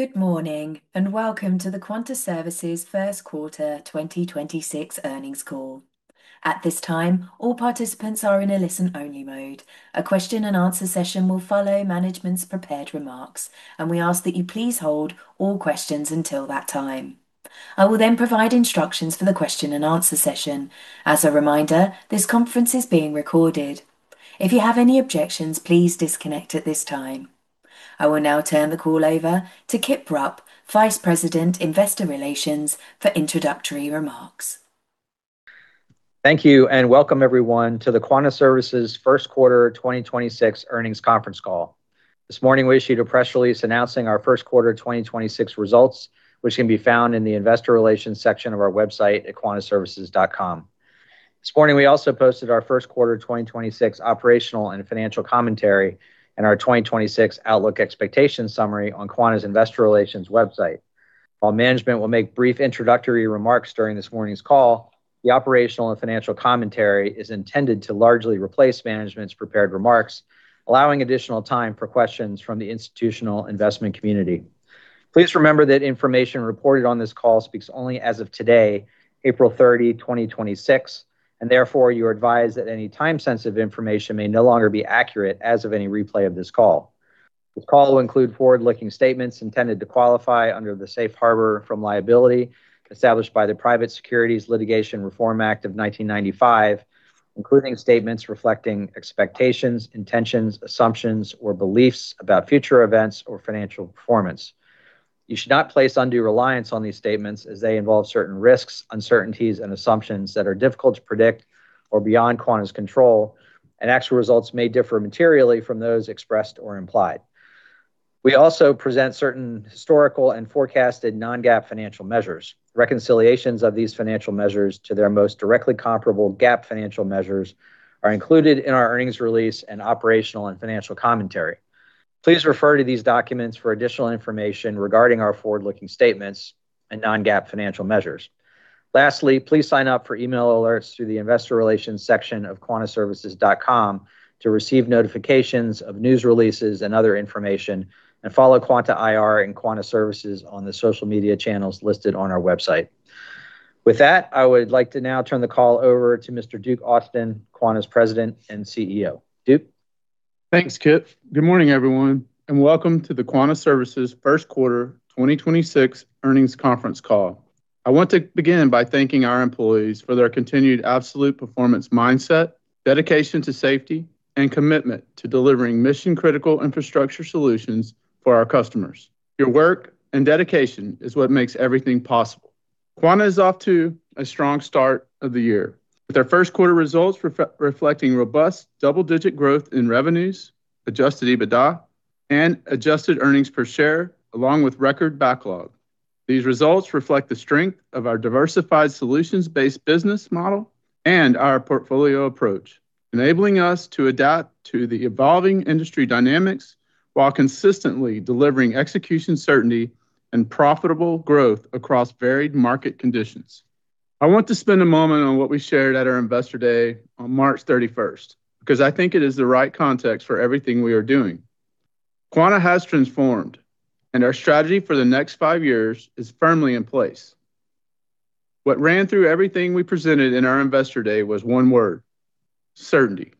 Good morning, welcome to the Quanta Services First Quarter 2026 Earnings call. At this time, all participants are in a listen only mode. A question-and-answer session will follow management's prepared remarks, and we ask that you please hold all questions until that time. I will provide instructions for the question-and-answer session. As a reminder, this conference is being recorded. If you have any objections, please disconnect at this time. I will now turn the call over to Kip Rupp, Vice President, Investor Relations, for introductory remarks. Thank you, and welcome everyone to the Quanta Services First Quarter 2026 Earnings conference call. This morning we issued a press release announcing our first quarter 2026 results, which can be found in the investor relations section of our website at quantaservices.com. This morning we also posted our first quarter 2026 operational and financial commentary, and our 2026 outlook expectation summary on Quanta's investor relations website. While management will make brief introductory remarks during this morning's call, the operational and financial commentary is intended to largely replace management's prepared remarks, allowing additional time for questions from the institutional investment community. Please remember that information reported on this call speaks only as of today, April 30, 2026, and therefore you're advised that any time-sensitive information may no longer be accurate as of any replay of this call. This call will include forward-looking statements intended to qualify under the safe harbor from liability established by the Private Securities Litigation Reform Act of 1995, including statements reflecting expectations, intentions, assumptions, or beliefs about future events or financial performance. You should not place undue reliance on these statements as they involve certain risks, uncertainties, and assumptions that are difficult to predict or beyond Quanta's control, and actual results may differ materially from those expressed or implied. We also present certain historical and forecasted non-GAAP financial measures. Reconciliations of these financial measures to their most directly comparable GAAP financial measures are included in our earnings release and operational and financial commentary. Please refer to these documents for additional information regarding our forward-looking statements and non-GAAP financial measures. Lastly, please sign up for email alerts through the investor relations section of quantaservices.com to receive notifications of news releases and other information, and follow Quanta IR and Quanta Services on the social media channels listed on our website. With that, I would like to now turn the call over to Mr. Duke Austin, Quanta's President and CEO. Duke? Thanks, Kip. Good morning, everyone, and welcome to the Quanta Services First Quarter 2026 Earnings conference call. I want to begin by thanking our employees for their continued absolute performance mindset, dedication to safety, and commitment to delivering mission-critical infrastructure solutions for our customers. Your work and dedication is what makes everything possible. Quanta is off to a strong start of the year, with our first quarter results reflecting robust double-digit growth in revenues, adjusted EBITDA, and adjusted earnings per share along with record backlog. These results reflect the strength of our diversified solutions-based business model and our portfolio approach, enabling us to adapt to the evolving industry dynamics while consistently delivering execution certainty and profitable growth across varied market conditions. I want to spend a moment on what we shared at our Investor Day on March 31st, because I think it is the right context for everything we are doing. Quanta has transformed, and our strategy for the next five years is firmly in place. What ran through everything we presented in our Investor Day was one word: certainty.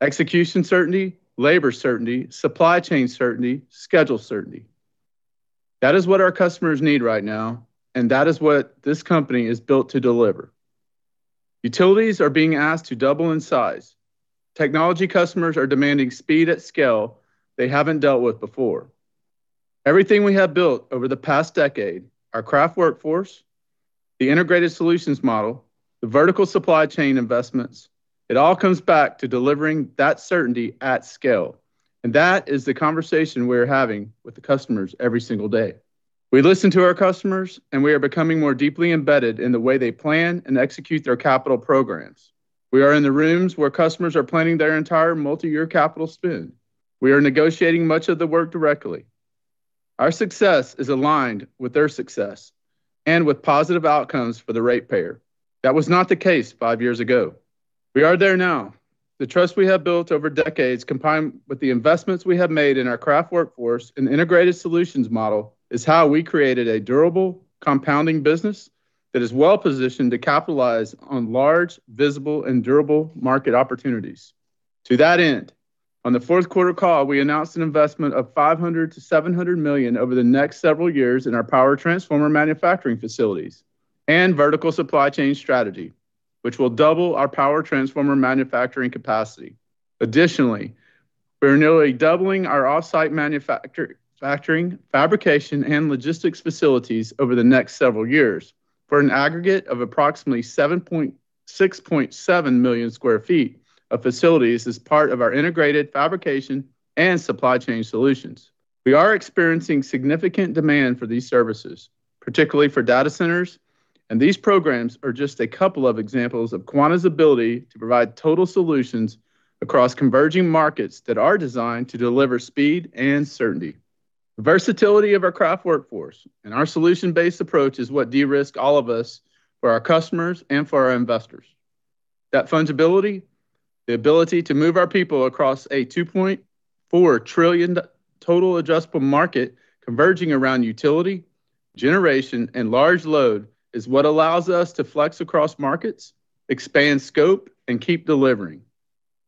Execution certainty, labor certainty, supply chain certainty, schedule certainty. That is what our customers need right now, and that is what this company is built to deliver. Utilities are being asked to double in size. Technology customers are demanding speed at scale they haven't dealt with before. Everything we have built over the past decade, our craft workforce, the integrated solutions model, the vertical supply chain investments, it all comes back to delivering that certainty at scale, and that is the conversation we are having with the customers every single day. We listen to our customers, and we are becoming more deeply embedded in the way they plan and execute their capital programs. We are in the rooms where customers are planning their entire multi-year capital spend. We are negotiating much of the work directly. Our success is aligned with their success and with positive outcomes for the rate payer. That was not the case five years ago. We are there now. The trust we have built over decades, combined with the investments we have made in our craft workforce and integrated solutions model, is how we created a durable compounding business that is well-positioned to capitalize on large, visible, and durable market opportunities. To that end, on the fourth quarter call, we announced an investment of $500 million-$700 million over the next several years in our power transformer manufacturing facilities and vertical supply chain strategy, which will double our power transformer manufacturing capacity. Additionally, we're nearly doubling our off-site manufacturing, fabrication, and logistics facilities over the next several years for an aggregate of approximately 6.7 million sq ft of facilities as part of our integrated fabrication and supply chain solutions. We are experiencing significant demand for these services, particularly for data centers, and these programs are just a couple of examples of Quanta's ability to provide total solutions across converging markets that are designed to deliver speed and certainty. The versatility of our craft workforce and our solution-based approach is what de-risk all of us for our customers and for our investors. That fungibility, the ability to move our people across a $2.4 trillion total adjustable market converging around utility, generation, and large load, is what allows us to flex across markets, expand scope, and keep delivering.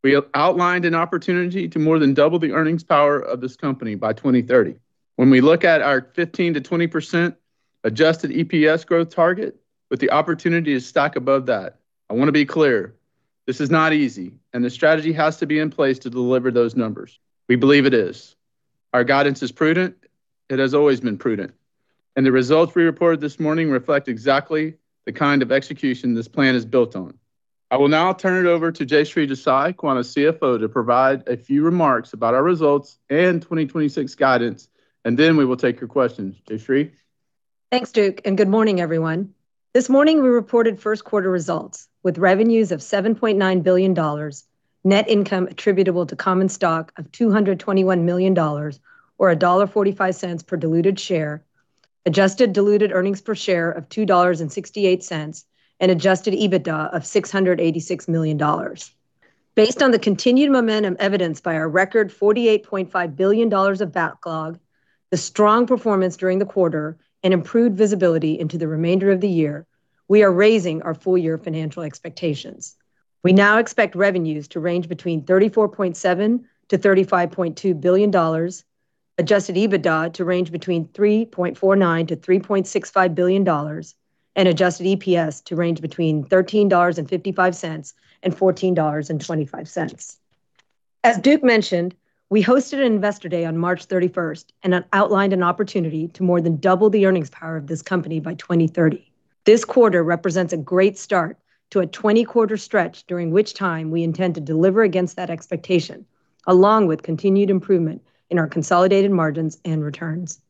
We have outlined an opportunity to more than double the earnings power of this company by 2030. When we look at our 15%-20% adjusted EPS growth target with the opportunity to stack above that, I wanna be clear, this is not easy, and the strategy has to be in place to deliver those numbers. We believe it is. Our guidance is prudent, it has always been prudent, and the results we reported this morning reflect exactly the kind of execution this plan is built on. I will now turn it over to Jayshree Desai, Quanta's CFO, to provide a few remarks about our results and 2026 guidance, and then we will take your questions. Jayshree? Thanks, Duke. Good morning, everyone. This morning, we reported first quarter results with revenues of $7.9 billion, net income attributable to common stock of $221 million or $1.45 per diluted share, adjusted diluted earnings per share of $2.68, and adjusted EBITDA of $686 million. Based on the continued momentum evidenced by our record $48.5 billion of backlog, the strong performance during the quarter, and improved visibility into the remainder of the year, we are raising our full year financial expectations. We now expect revenues to range between $34.7 billion-$35.2 billion, adjusted EBITDA to range between $3.49 billion-$3.65 billion, and adjusted EPS to range between $13.55 and $14.25. As Duke mentioned, we hosted an Investor Day on March 31st, outlined an opportunity to more than double the earnings power of this company by 2030. This quarter represents a great start to a 20-quarter stretch, during which time we intend to deliver against that expectation, along with continued improvement in our consolidated margins and returns.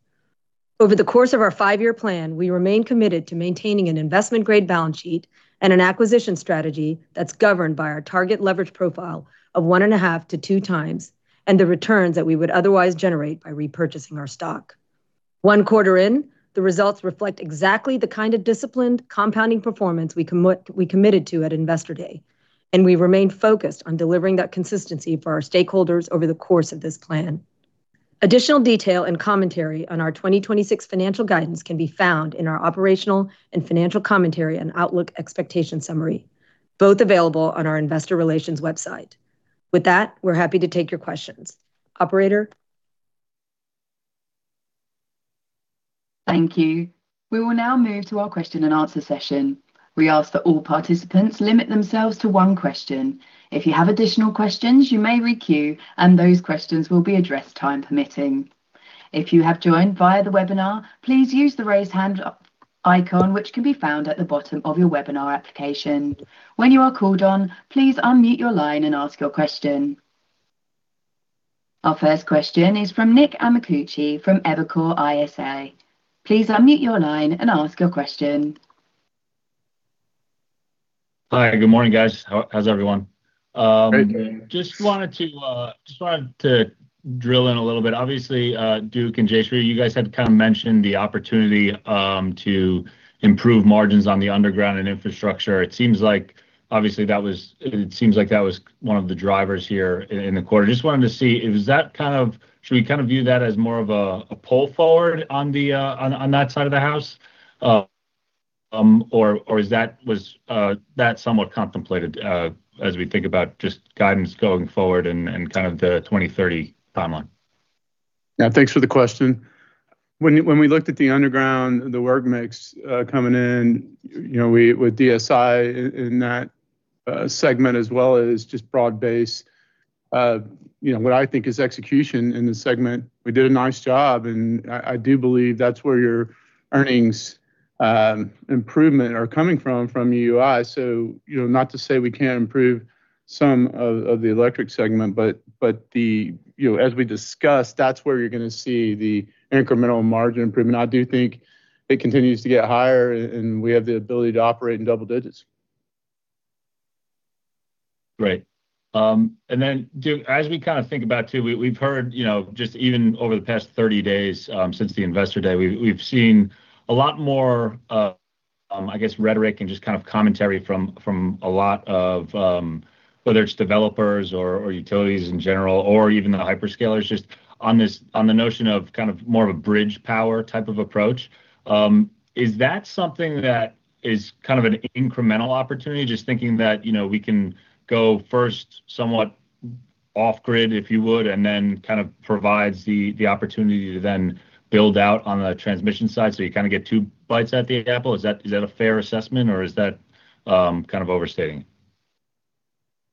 Over the course of our 5-year plan, we remain committed to maintaining an investment-grade balance sheet and an acquisition strategy that's governed by our target leverage profile of 1.5-2 times, and the returns that we would otherwise generate by repurchasing our stock. 1 quarter in, the results reflect exactly the kind of disciplined compounding performance we committed to at Investor Day, and we remain focused on delivering that consistency for our stakeholders over the course of this plan. Additional detail and commentary on our 2026 financial guidance can be found in our operational and financial commentary and outlook expectation summary, both available on our investor relations website. With that, we're happy to take your questions. Operator? Thank you. We will now move to our question-and-answer session. We ask that all participants limit themselves to one question. If you have additional questions, you may re-queue, those questions will be addressed time permitting. If you have joined via the webinar, please use the raise hand icon, which can be found at the bottom of your webinar application. When you are called on, please unmute your line and ask your question. Our first question is from Nick Amicucci from Evercore ISI. Please unmute your line and ask your question. Hi, good morning, guys. How's everyone? Great. Just wanted to drill in a little bit. Obviously, Duke and Jayshree, you guys had kinda mentioned the opportunity to improve margins on the underground and infrastructure. It seems like that was one of the drivers here in the quarter. Just wanted to see, should we kind of view that as more of a pull forward on that side of the house? Or was that somewhat contemplated as we think about just guidance going forward and kind of the 2030 timeline? Yeah. Thanks for the question. When we looked at the underground, the work mix coming in, you know, we with DSI in that segment as well as just broad-based, you know, what I think is execution in the segment, we did a nice job, and I do believe that's where your earnings improvement are coming from UI. You know, not to say we can't improve some of the electric segment. You know, as we discussed, that's where you're going to see the incremental margin improvement. I do think it continues to get higher and we have the ability to operate in double digits. Great. Then, Duke, as we kinda think about too, we've heard, you know, just even over the past 30 days, since the Investor Day, we've seen a lot more, I guess, rhetoric and just kind of commentary from a lot of, whether it's developers or utilities in general, or even the hyperscalers, just on this, on the notion of kind of more of a bridge power type of approach. Is that something that is kind of an incremental opportunity, just thinking that, you know, we can go first somewhat off grid, if you would, and then kind of provides the opportunity to then build out on the transmission side so you kinda get two bites at the apple? Is that, is that a fair assessment, or is that, kind of overstating?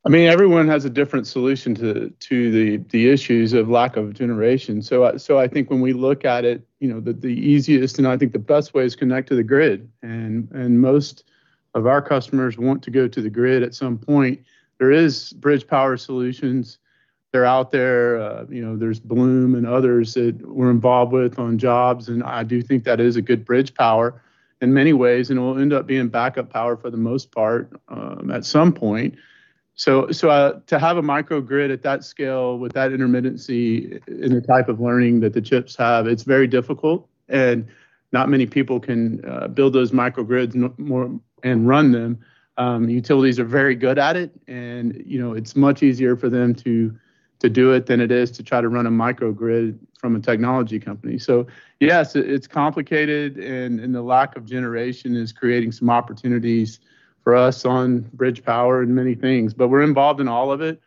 I mean, everyone has a different solution to the issues of lack of generation. I think when we look at it, you know, the easiest, and I think the best way is connect to the grid, and most of our customers want to go to the grid at some point. There is bridge power solutions. They're out there. You know, there's Bloom and others that we're involved with on jobs, and I do think that is a good bridge power in many ways, and it will end up being backup power for the most part at some point. To have a microgrid at that scale with that intermittency in the type of learning that the chips have, it's very difficult, and not many people can build those microgrids more and run them. Utilities are very good at it and, you know, it's much easier for them to do it than it is to try to run a microgrid from a technology company. Yes, it's complicated and the lack of generation is creating some opportunities for us on bridge power and many things. We're involved in all of it.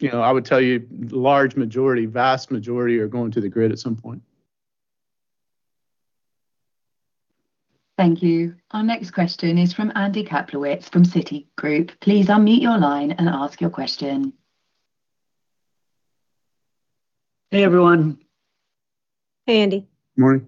You know, I would tell you large majority, vast majority are going to the grid at some point. Thank you. Our next question is from Andy Kaplowitz from Citigroup. Please unmute your line and ask your question. Hey, everyone. Hey, Andy. Morning.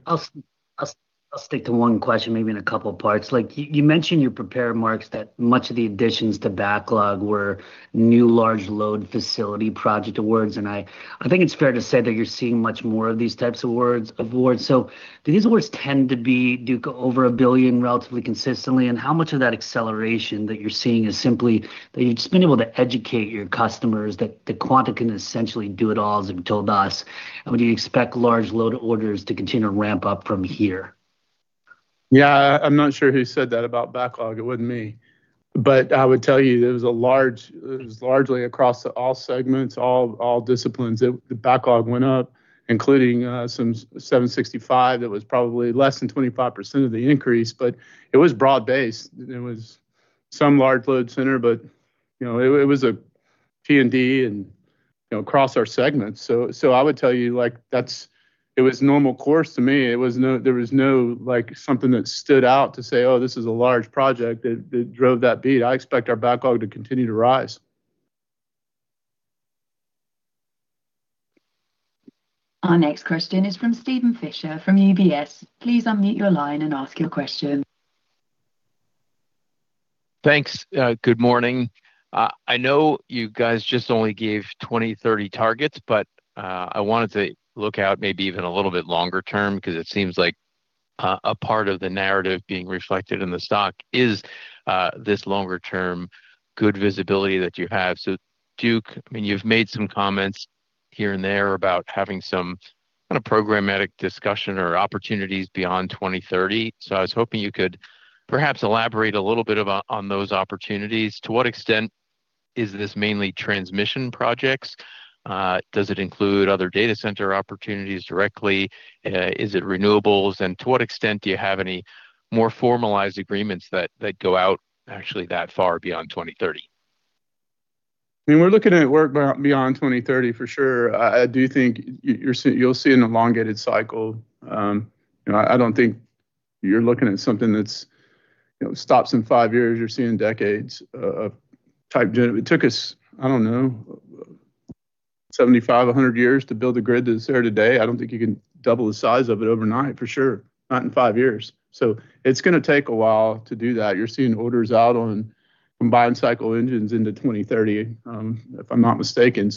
I'll stick to one question maybe in a couple parts. You mentioned in your prepared remarks that much of the additions to backlog were new large load facility project awards, and I think it's fair to say that you're seeing much more of these types awards. Do these awards tend to be, Duke, over $1 billion relatively consistently? How much of that acceleration that you're seeing is simply that you've just been able to educate your customers that Quanta can essentially do it all, as you've told us? Would you expect large load orders to continue to ramp up from here? Yeah. I'm not sure who said that about backlog. It wasn't me. I would tell you it was largely across all segments, all disciplines. The backlog went up, including some 765 that was probably less than 25% of the increase, it was broad-based. It was some large load center, you know, it was a P&D and, you know, across our segments. I would tell you, like, that's it was normal course to me. There was no, like, something that stood out to say, "Oh, this is a large project," that drove that beat. I expect our backlog to continue to rise. Our next question is from Steven Fisher from UBS. Please unmute your line and ask your question. Thanks. Good morning. I know you guys just only gave 2030 targets, but I wanted to look out maybe even a little bit longer term, 'cause it seems like a part of the narrative being reflected in the stock is this longer term good visibility that you have. Duke, I mean, you've made some comments here and there about having some kind of programmatic discussion or opportunities beyond 2030. I was hoping you could perhaps elaborate a little bit of on those opportunities. To what extent is this mainly transmission projects? Does it include other data center opportunities directly? Is it renewables? To what extent do you have any more formalized agreements that go out actually that far beyond 2030? I mean, we're looking at work beyond 2030 for sure. I do think you'll see an elongated cycle. You know, I don't think you're looking at something that's, you know, stops in five years. You're seeing decades of type gen. It took us, I don't know, 75, 100 years to build a grid that's here today. I don't think you can double the size of it overnight, for sure. Not in five years. It's gonna take a while to do that. You're seeing orders out on combined cycle engines into 2030, if I'm not mistaken.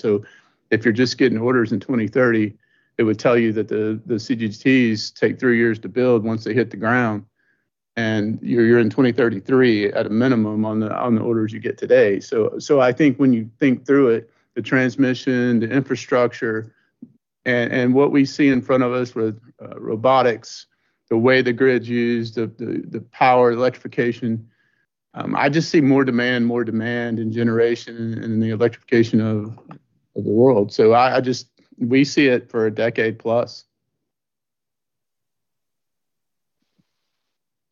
If you're just getting orders in 2030, it would tell you that the CGTs take 3 years to build once they hit the ground, and you're in 2033 at a minimum on the orders you get today. I think when you think through it, the transmission, the infrastructure and what we see in front of us with robotics, the way the grid's used, the power, the electrification, I just see more demand, more demand and generation and the electrification of the world. I just, we see it for a decade plus.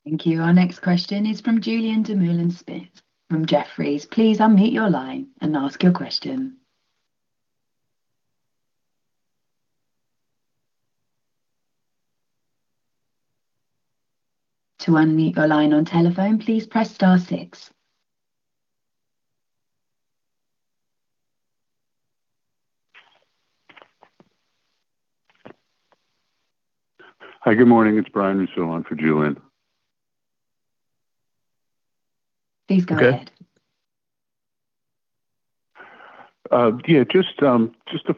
Thank you. Our next question is from Julien Dumoulin-Smith from Jefferies. Please unmute your line and ask your question. To unmute your line on telephone, please press star 6. Hi, good morning. It's Brian Russo on for Julien. Please go ahead. Okay. Yeah, just to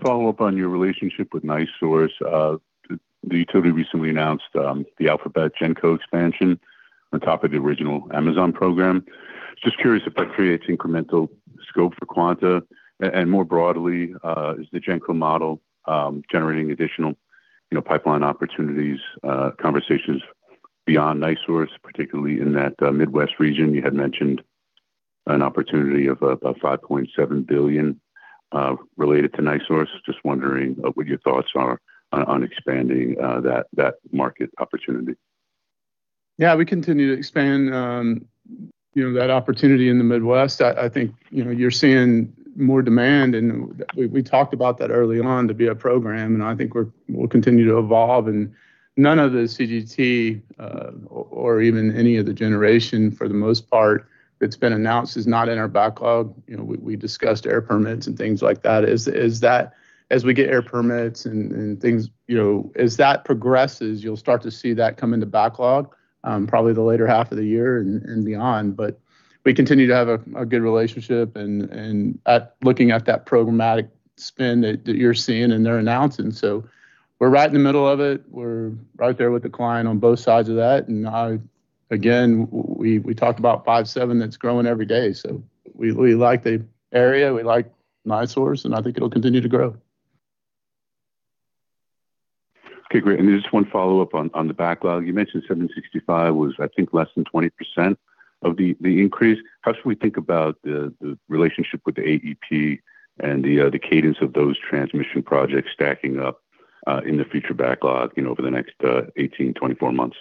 follow up on your relationship with NiSource. The utility recently announced the Alphabet GenCo expansion on top of the original Amazon program. Just curious if that creates incremental scope for Quanta? More broadly, is the GenCo model generating additional, you know, pipeline opportunities, conversations beyond NiSource, particularly in that Midwest region? You had mentioned an opportunity of $5.7 billion related to NiSource. Just wondering what your thoughts are on expanding that market opportunity. Yeah, we continue to expand, you know, that opportunity in the Midwest. I think, you know, you're seeing more demand, and we talked about that early on to be a program, and I think we'll continue to evolve. None of the CGT or even any of the generation for the most part that's been announced is not in our backlog. You know, we discussed air permits and things like that. As we get air permits and things, you know, as that progresses, you'll start to see that come into backlog probably the later half of the year and beyond. We continue to have a good relationship and at looking at that programmatic spend that you're seeing and they're announcing. We're right in the middle of it. We're right there with the client on both sides of that. I, again, we talked about 5.7 that's growing every day, we like the area, we like NiSource, I think it'll continue to grow. Okay, great. There's 1 follow-up on the backlog. You mentioned 765 was, I think, less than 20% of the increase. How should we think about the relationship with the AEP and the cadence of those transmission projects stacking up, in the future backlog, you know, over the next 18-24 months?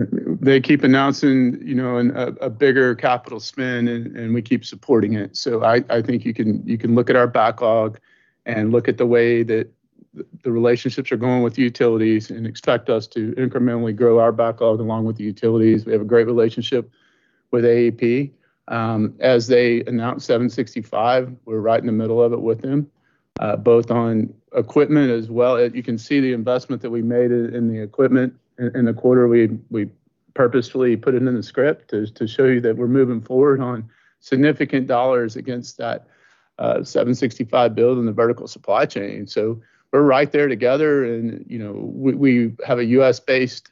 They keep announcing, you know, a bigger capital spend and we keep supporting it. I think you can look at our backlog and look at the way that the relationships are going with utilities and expect us to incrementally grow our backlog along with the utilities. We have a great relationship with AEP. As they announce 765, we're right in the middle of it with them, both on equipment as well as. You can see the investment that we made in the equipment in the quarter. We purposefully put it in the script to show you that we're moving forward on significant dollars against that 765 build in the vertical supply chain. We're right there together and, you know, we have a U.S.-based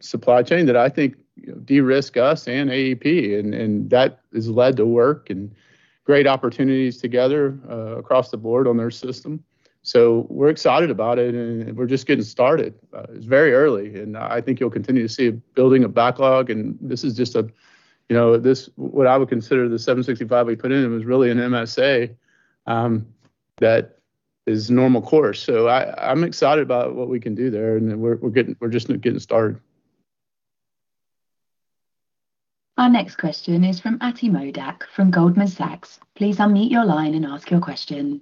supply chain that I think, you know, de-risk us and AEP. That has led to work and great opportunities together across the board on their system. We're excited about it and we're just getting started. It's very early, and I think you'll continue to see building a backlog, and this is just a, you know, this, what I would consider the 765 kV we put in was really an MSA that is normal course. I'm excited about what we can do there, and we're just getting started. Our next question is from Atidrip Modak from Goldman Sachs. Please unmute your line and ask your question.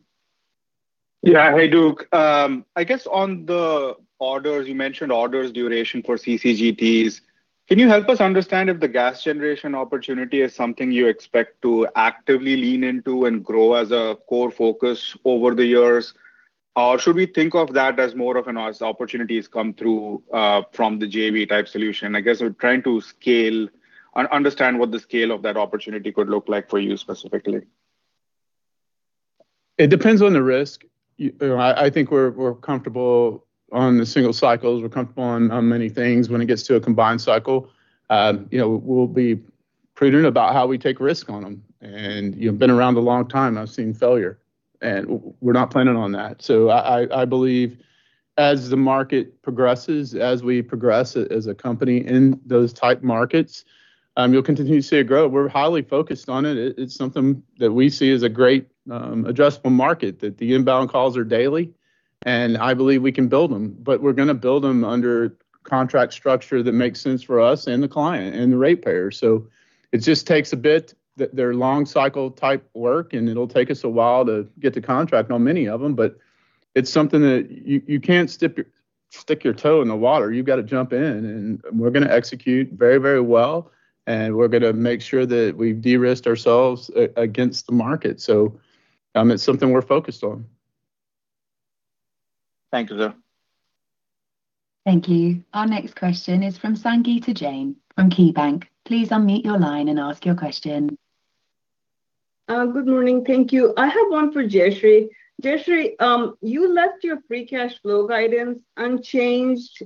Yeah. Hey, Duke. I guess on the orders, you mentioned orders duration for CCGTs. Can you help us understand if the gas generation opportunity is something you expect to actively lean into and grow as a core focus over the years? Or should we think of that as more of an as opportunities come through from the JV-type solution? I guess we're trying to scale, understand what the scale of that opportunity could look like for you specifically. It depends on the risk. I think we're comfortable on the single cycles. We're comfortable on many things. When it gets to a combined cycle, you know, we'll be prudent about how we take risk on them. You've been around a long time, I've seen failure, and we're not planning on that. I believe as the market progresses, as we progress as a company in those type markets, you'll continue to see it grow. We're highly focused on it. It's something that we see as a great addressable market that the inbound calls are daily, and I believe we can build them. We're gonna build them under contract structure that makes sense for us and the client and the rate payer. It just takes a bit. They're long cycle type work, it'll take us a while to get to contract on many of them. It's something that you can't stick your toe in the water. You've got to jump in, we're gonna execute very well, we're gonna make sure that we've de-risked ourselves against the market. It's something we're focused on. Thank you, sir. Thank you. Our next question is from Sangita Jain from KeyBanc. Please unmute your line and ask your question. Good morning. Thank you. I have one for Jayshree. Jayshree, you left your free cash flow guidance unchanged.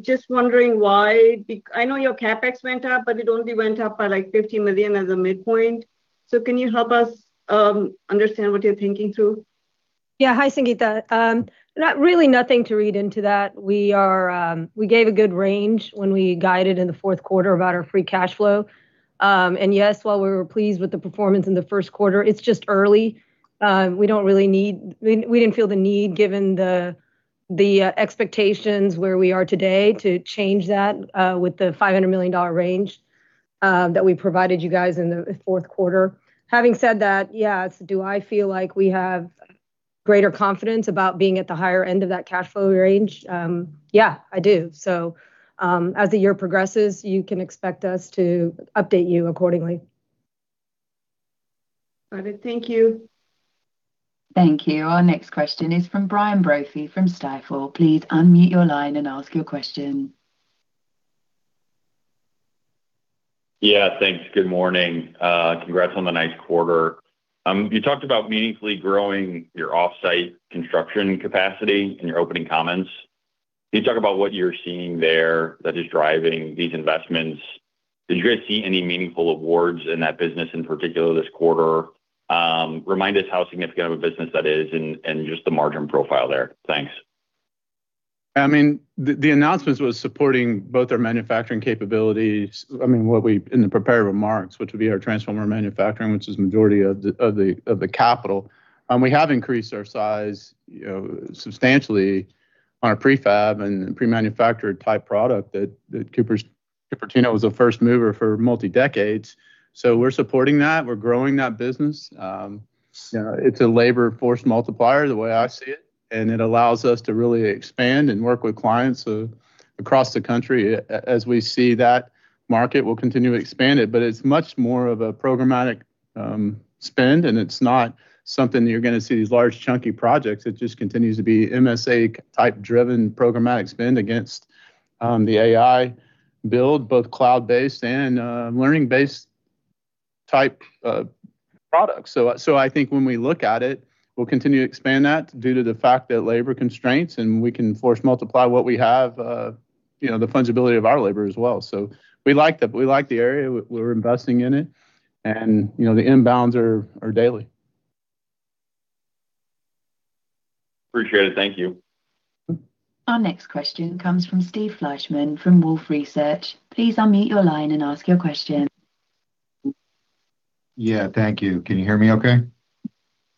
Just wondering why? I know your CapEx went up, but it only went up by, like, $50 million as a midpoint. Can you help us understand what you're thinking through? Yeah. Hi, Sangita. Not really nothing to read into that. We gave a good range when we guided in the fourth quarter about our free cash flow. Yes, while we were pleased with the performance in the first quarter, it's just early. We didn't feel the need given the expectations where we are today to change that with the $500 million range that we provided you guys in the fourth quarter. Having said that, yeah, do I feel like we have greater confidence about being at the higher end of that cash flow range? Yeah, I do. As the year progresses, you can expect us to update you accordingly. Got it. Thank you. Thank you. Our next question is from Brian Brophy from Stifel. Please unmute your line and ask your question. Yeah. Thanks. Good morning. Congrats on the nice quarter. You talked about meaningfully growing your offsite construction capacity in your opening comments. Can you talk about what you're seeing there that is driving these investments? Did you guys see any meaningful awards in that business in particular this quarter? Remind us how significant of a business that is and just the margin profile there. Thanks. I mean, the announcements was supporting both our manufacturing capabilities. I mean, what we, in the prepared remarks, which would be our transformer manufacturing, which is majority of the capital. We have increased our size, you know, substantially on our prefab and pre-manufactured type product that Cupertino was a first mover for multi decades. We're supporting that. We're growing that business. You know, it's a labor force multiplier the way I see it, and it allows us to really expand and work with clients across the country. As we see that market, we'll continue to expand it. It's much more of a programmatic spend, and it's not something that you're gonna see these large chunky projects. It just continues to be MSA type driven programmatic spend against the AI build, both cloud-based and learning-based type products. I think when we look at it, we'll continue to expand that due to the fact that labor constraints and we can force multiply what we have. You know, the fungibility of our labor as well. We like the area. We're investing in it, and, you know, the inbounds are daily. Appreciate it. Thank you. Our next question comes from Steve Fleishman from Wolfe Research. Please unmute your line and ask your question. Yeah. Thank you. Can you hear me okay?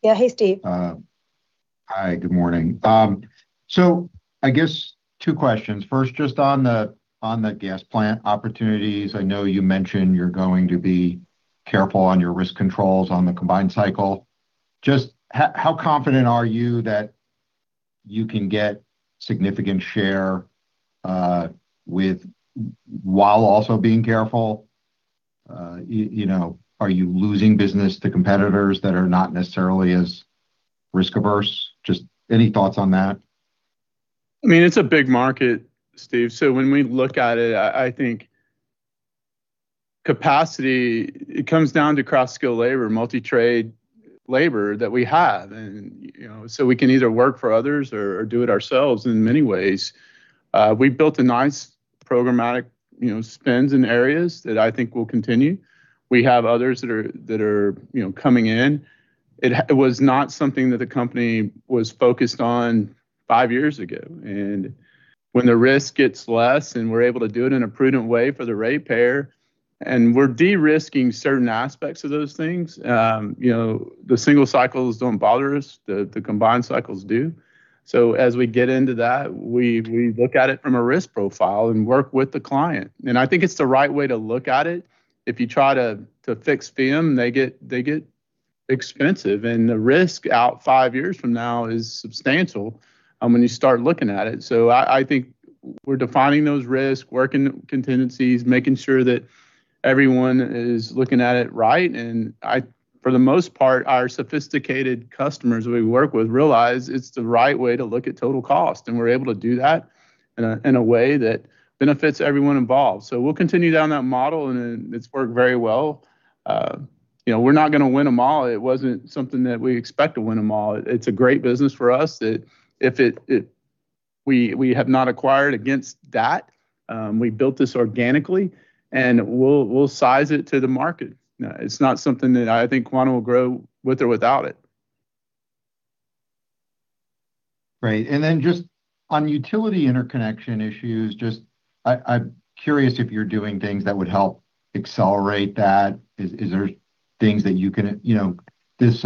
Yeah, hey Steve. Hi. Good morning. I guess two questions. First, just on the gas plant opportunities, I know you mentioned you're going to be careful on your risk controls on the combined cycle. Just how confident are you that you can get significant share, with, while also being careful? You know, are you losing business to competitors that are not necessarily as risk-averse? Just any thoughts on that? I mean, it's a big market, Steve, so when we look at it, I think capacity, it comes down to cross-skill labor, multi-trade labor that we have and, you know, we can either work for others or do it ourselves in many ways. We've built a nice programmatic, you know, spends in areas that I think will continue. We have others that are, you know, coming in. It was not something that the company was focused on five years ago. When the risk gets less and we're able to do it in a prudent way for the rate payer and we're de-risking certain aspects of those things, you know, the single cycles don't bother us. The combined cycles do. As we get into that, we look at it from a risk profile and work with the client, and I think it's the right way to look at it. If you try to fix them, they get expensive, and the risk out 5 years from now is substantial when you start looking at it. I think we're defining those risks, working contingencies, making sure that everyone is looking at it right, and for the most part, our sophisticated customers we work with realize it's the right way to look at total cost, and we're able to do that in a way that benefits everyone involved. We'll continue down that model, and it's worked very well. You know, we're not gonna win 'em all. It wasn't something that we expect to win 'em all. It's a great business for us that if it, we have not acquired against that. We built this organically, and we'll size it to the market. It's not something that I think Quanta will grow with or without it. Right. Just on utility interconnection issues, I'm curious if you're doing things that would help accelerate that. Is there things that you can? You know, this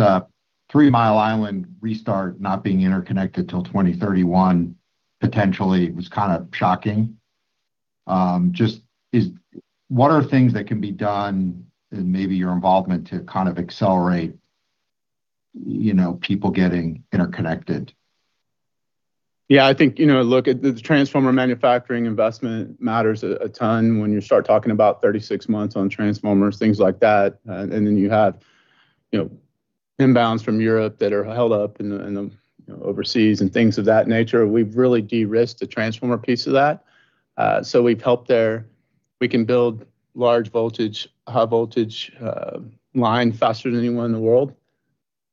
Three Mile Island restart not being interconnected till 2031 potentially was kind of shocking. What are things that can be done in maybe your involvement to kind of accelerate, you know, people getting interconnected? Yeah. I think, you know, look, at the transformer manufacturing investment matters a ton when you start talking about 36 months on transformers, things like that. You have inbounds from Europe that are held up overseas and things of that nature. We've really de-risked the transformer piece of that, so we've helped there. We can build large voltage, high voltage line faster than anyone in the world,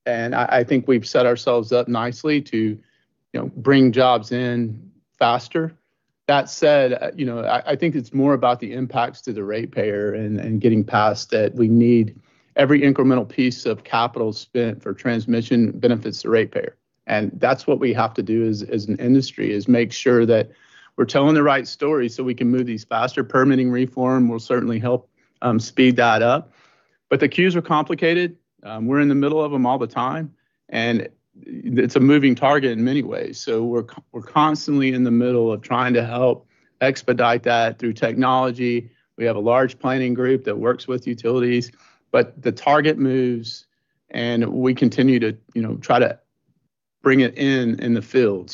and I think we've set ourselves up nicely to bring jobs in faster. That said, I think it's more about the impacts to the rate payer and getting past that. We need every incremental piece of capital spent for transmission benefits the rate payer. That's what we have to do as an industry, is make sure that we're telling the right story so we can move these faster. Permitting reform will certainly help speed that up. The queues are complicated. We're in the middle of them all the time. It's a moving target in many ways. We're constantly in the middle of trying to help expedite that through technology. We have a large planning group that works with utilities, but the target moves, and we continue to, you know, try to bring it in in the field.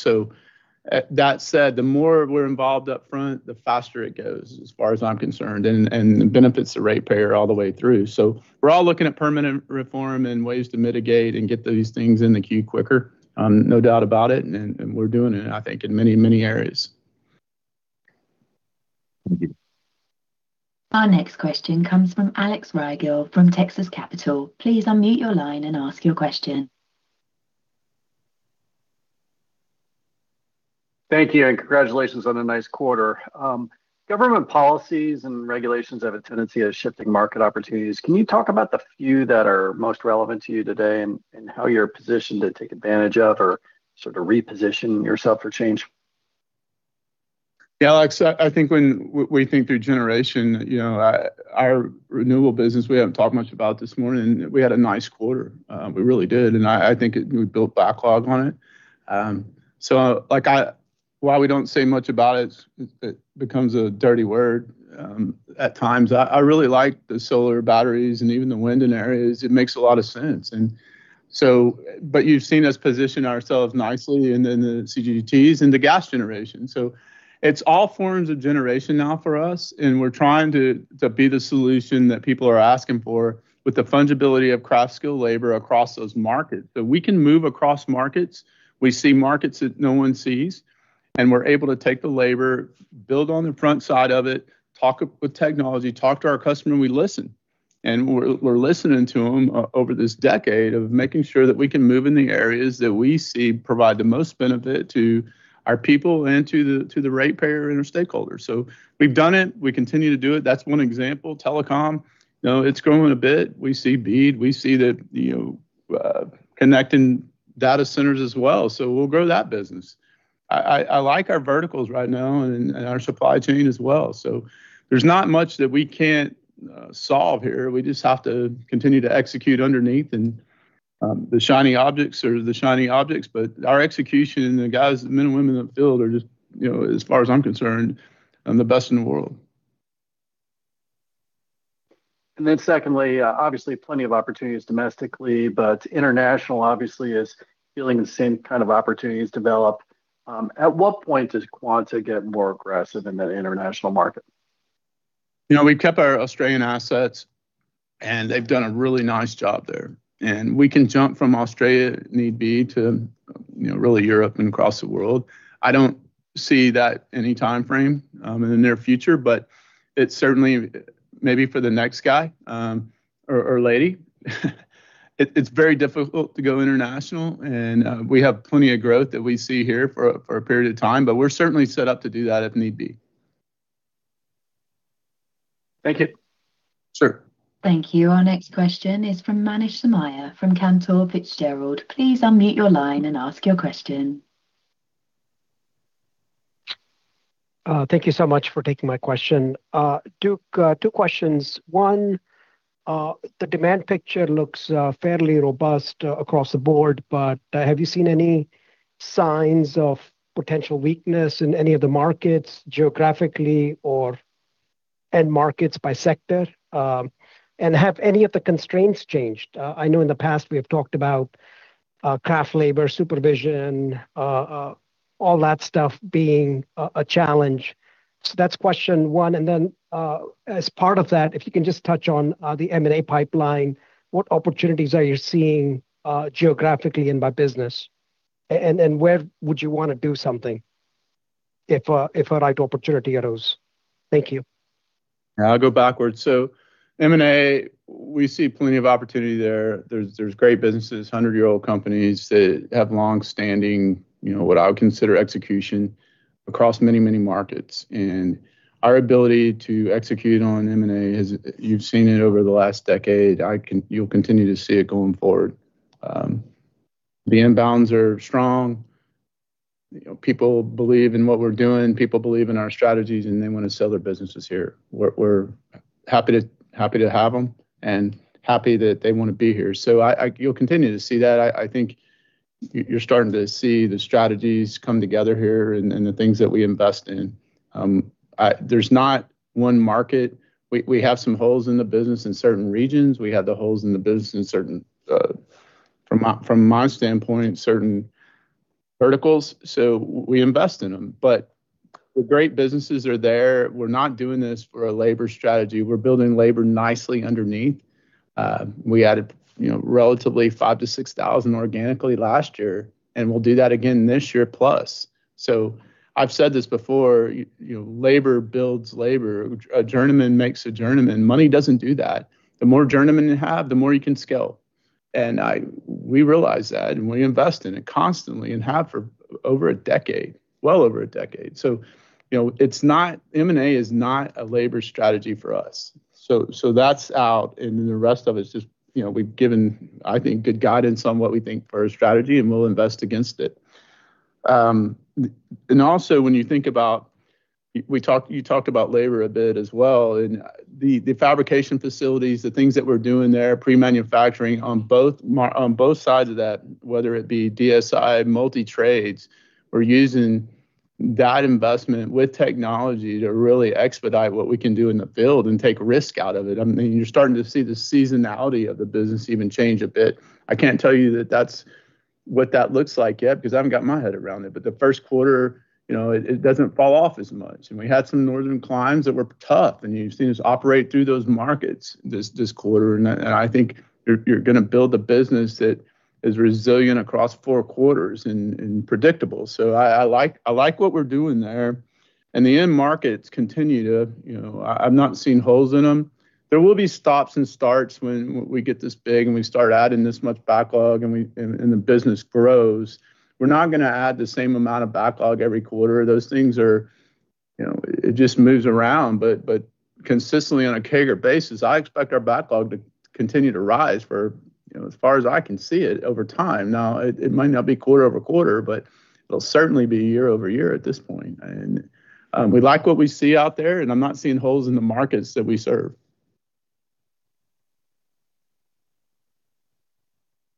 That said, the more we're involved upfront, the faster it goes as far as I'm concerned, and it benefits the rate payer all the way through. We're all looking at permanent reform and ways to mitigate and get these things in the queue quicker. No doubt about it, and we're doing it, I think, in many, many areas. Thank you. Our next question comes from Alex Rygiel from Texas Capital. Please unmute your line and ask your question. Thank you, and congratulations on a nice quarter. Government policies and regulations have a tendency of shifting market opportunities. Can you talk about the few that are most relevant to you today and how you're positioned to take advantage of or sort of reposition yourself for change? Yeah, Alex. I think when we think through generation, our renewable business we haven't talked much about this morning, we had a nice quarter. We really did, and I think we built backlog on it. While we don't say much about it becomes a dirty word at times. I really like the solar batteries and even the wind in areas. It makes a lot of sense. You've seen us position ourselves nicely, and then the CGTs into gas generation. It's all forms of generation now for us, and we're trying to be the solution that people are asking for with the fungibility of cross-skill labor across those markets. We can move across markets. We see markets that no one sees. We're able to take the labor, build on the front side of it, talk with technology, talk to our customer, and we listen. We're listening to them over this decade of making sure that we can move in the areas that we see provide the most benefit to our people and to the rate payer and our stakeholders. We've done it, we continue to do it. That's one example. Telecom, you know, it's growing a bit. We see BEAD, we see connecting data centers as well. We'll grow that business. I like our verticals right now and our supply chain as well. There's not much that we can't solve here. We just have to continue to execute underneath, and the shiny objects are the shiny objects, but our execution and the guys, the men and women in the field are just, you know, as far as I'm concerned, the best in the world. Secondly, obviously plenty of opportunities domestically, but international obviously is feeling the same kind of opportunities develop. At what point does Quanta get more aggressive in that international market? You know, we've kept our Australian assets, and they've done a really nice job there. We can jump from Australia, need be, to, you know, really Europe and across the world. I don't see that any timeframe in the near future, but it certainly, maybe for the next guy or lady. It's very difficult to go international and we have plenty of growth that we see here for a period of time, but we're certainly set up to do that if need be. Thank you. Sure. Thank you. Our next question is from Manish Somaiya from Cantor Fitzgerald. Please unmute your line and ask your question. Thank you so much for taking my question. Duke, two questions. One, the demand picture looks fairly robust across the board, have you seen any signs of potential weakness in any of the markets geographically or end markets by sector? Have any of the constraints changed? I know in the past we have talked about craft labor, supervision, all that stuff being a challenge. That's question one As part of that, if you can just touch on the M&A pipeline, what opportunities are you seeing geographically and by business? Where would you wanna do something if a right opportunity arose? Thank you. I'll go backwards. M&A, we see plenty of opportunity there. There's great businesses, 100-year-old companies that have long-standing, you know, what I would consider execution across many, many markets. Our ability to execute on M&A is, you've seen it over the last decade. You'll continue to see it going forward. The inbounds are strong. You know, people believe in what we're doing, people believe in our strategies, and they wanna sell their businesses here. We're happy to have them and happy that they wanna be here. You'll continue to see that. You're starting to see the strategies come together here and the things that we invest in. There's not one market. We have some holes in the business in certain regions. We have the holes in the business in certain, from my, from my standpoint, certain verticals, so we invest in them. The great businesses are there. We're not doing this for a labor strategy. We're building labor nicely underneath. We added, you know, relatively 5,000 to 6,000 organically last year, and we'll do that again this year plus. I've said this before, you know, labor builds labor. A journeyman makes a journeyman. Money doesn't do that. The more journeymen you have, the more you can scale, and we realize that, and we invest in it constantly and have for over a decade. Well over a decade. You know, M&A is not a labor strategy for us. That's out, and then the rest of it's just, you know, we've given, I think, good guidance on what we think for our strategy, and we'll invest against it. And also when you think about you talked about labor a bit as well, and the fabrication facilities, the things that we're doing there, pre-manufacturing on both sides of that, whether it be DSI, multi-trades, we're using that investment with technology to really expedite what we can do in the field and take risk out of it. I mean, you're starting to see the seasonality of the business even change a bit. I can't tell you that that's what that looks like yet because I haven't got my head around it. The first quarter, you know, it doesn't fall off as much. We had some northern climbs that were tough, and you've seen us operate through those markets this quarter. I think you're gonna build a business that is resilient across four quarters and predictable. I like what we're doing there. The end markets continue to, you know. I've not seen holes in them. There will be stops and starts when we get this big, and we start adding this much backlog and the business grows. We're not gonna add the same amount of backlog every quarter. Those things are, you know, it just moves around. Consistently on a CAGR basis, I expect our backlog to continue to rise for, you know, as far as I can see it over time. It might not be quarter-over-quarter, but it'll certainly be year-over-year at this point. We like what we see out there, and I'm not seeing holes in the markets that we serve.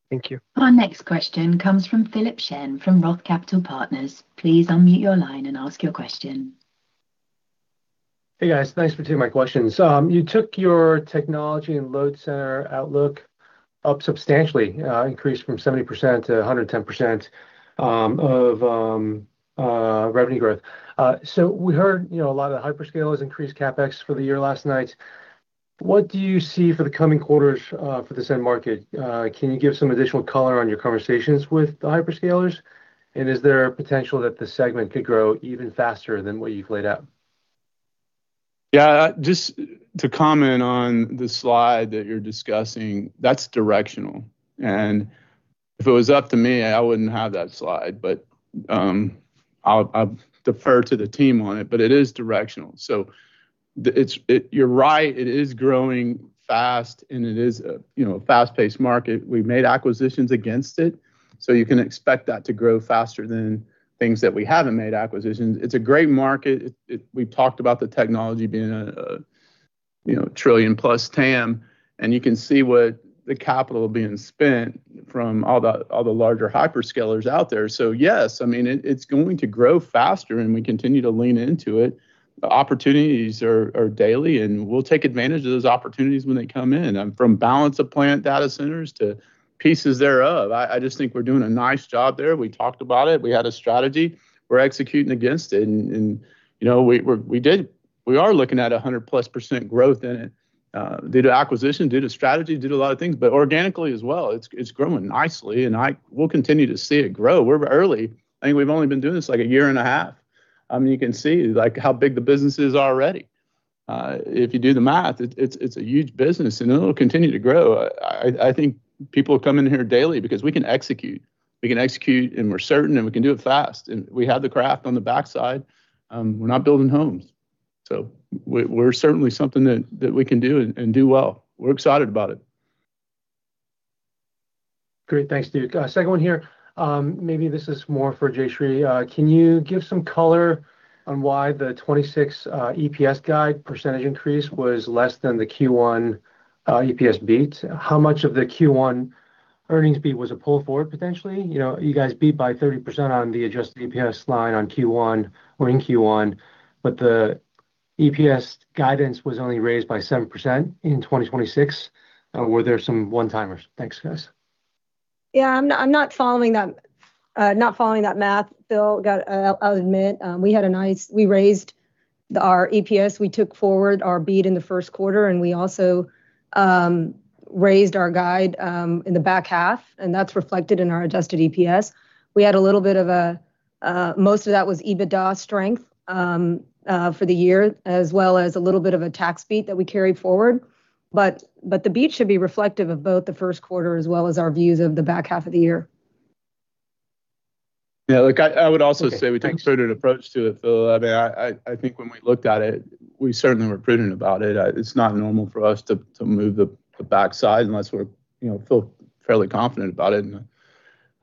Thank you. Our next question comes from Philip Shen from Roth Capital Partners. Please unmute your line and ask your question. Hey, guys. Thanks for taking my questions. You took your technology and load center outlook up substantially, increased from 70% to 110% of revenue growth. We heard, you know, a lot of hyperscalers increase CapEx for the year last night. What do you see for the coming quarters for this end market? Can you give some additional color on your conversations with the hyperscalers? Is there a potential that this segment could grow even faster than what you've laid out? Yeah, just to comment on the slide that you're discussing, that's directional. If it was up to me, I wouldn't have that slide, but I'll defer to the team on it, but it is directional. You're right, it is growing fast, and it is a, you know, fast-paced market. We've made acquisitions against it, you can expect that to grow faster than things that we haven't made acquisitions. It's a great market. It. We've talked about the technology being a, you know, trillion plus TAM, and you can see what the capital being spent from all the larger hyperscalers out there. Yes, I mean, it's going to grow faster, and we continue to lean into it. The opportunities are daily, and we'll take advantage of those opportunities when they come in, from balance of plant data centers to pieces thereof. I just think we're doing a nice job there. We talked about it. We had a strategy. We're executing against it, and, you know, We did. We are looking at 100-plus % growth in it, due to acquisition, due to strategy, due to a lot of things. Organically as well, it's growing nicely, and We'll continue to see it grow. We're early. I mean, we've only been doing this, like, a year and a half. I mean, you can see, like, how big the business is already. If you do the math, it's a huge business, and it'll continue to grow. I think people are coming here daily because we can execute. We can execute, and we're certain, and we can do it fast. We have the craft on the backside. We're not building homes. We're certainly something that we can do and do well. We're excited about it. Great. Thanks, Duke. Second 1 here. Maybe this is more for Jayshree. Can you give some color on why the 2026 EPS guide % increase was less than the Q1 EPS beat? How much of the Q1 earnings beat was a pull forward potentially? You know, you guys beat by 30% on the adjusted EPS line on Q1 or in Q1, but the EPS guidance was only raised by 7% in 2026. Were there some one-timers? Thanks, guys. Yeah, I'm not, I'm not following that, not following that math, Phil. I'll admit. We raised our EPS. We took forward our beat in the first quarter. We also raised our guide in the back half. That's reflected in our adjusted EPS. Most of that was EBITDA strength for the year, as well as a little bit of a tax beat that we carried forward. But the beat should be reflective of both the first quarter as well as our views of the back half of the year. Yeah, look, I would also. Okay. Thanks we took a prudent approach to it, Phil. I mean, I think when we looked at it, we certainly were prudent about it. It's not normal for us to move the backside unless we're, you know, feel fairly confident about it.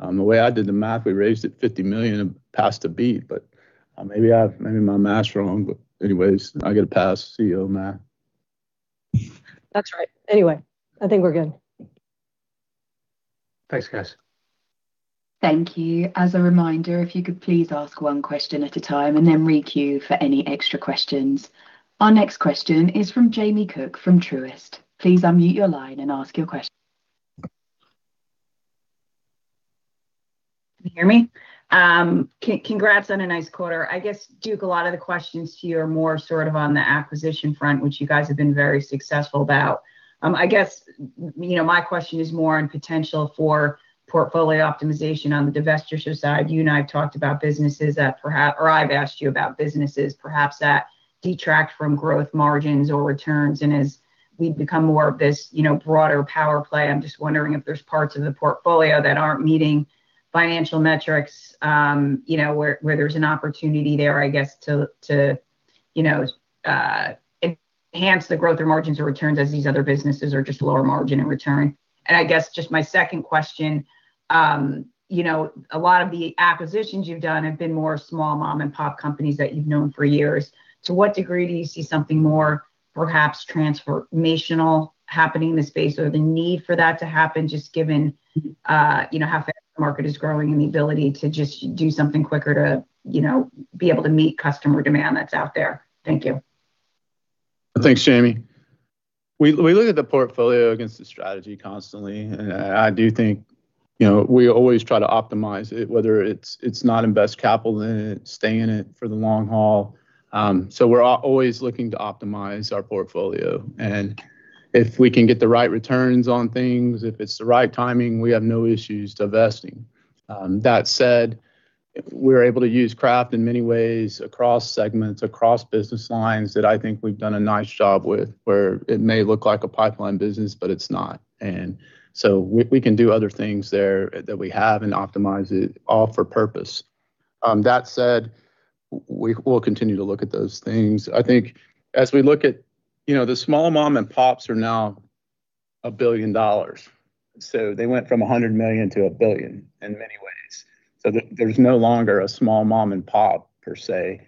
The way I did the math, we raised it $50 million past the beat. Maybe my math's wrong. Anyways, I got to pass CEO math. That's right. I think we're good. Thanks, guys. Thank you. As a reminder, if you could please ask one question at a time, and then re-queue for any extra questions. Our next question is from Jamie Cook from Truist. Please unmute your line and ask your question. Can you hear me? Congrats on a nice quarter. I guess, Duke, a lot of the questions to you are more sort of on the acquisition front, which you guys have been very successful about. I guess, you know, my question is more on potential for portfolio optimization on the divestiture side. You and I have talked about businesses that perhaps, or I've asked you about businesses perhaps that detract from growth margins or returns. As we become more of this, you know, broader power play, I'm just wondering if there's parts of the portfolio that aren't meeting financial metrics, you know, where there's an opportunity there, I guess to enhance the growth or margins or returns as these other businesses are just lower margin in return. I guess just my second question, you know, a lot of the acquisitions you've done have been more small mom and pop companies that you've known for years. To what degree do you see something more perhaps transformational happening in the space, or the need for that to happen just given, you know, how fast the market is growing and the ability to just do something quicker to, you know, be able to meet customer demand that's out there? Thank you. Thanks, Jamie. We look at the portfolio against the strategy constantly. I do think, you know, we always try to optimize it, whether it's not invest capital in it, stay in it for the long haul. We're always looking to optimize our portfolio. If we can get the right returns on things, if it's the right timing, we have no issues divesting. That said, we're able to use craft in many ways across segments, across business lines that I think we've done a nice job with, where it may look like a pipeline business, but it's not. We can do other things there that we have and optimize it all for purpose. That said, we will continue to look at those things. I think as we look at, you know, the small mom and pops are now $1 billion. They went from $100 million to $1 billion in many ways. There's no longer a small mom and pop per se.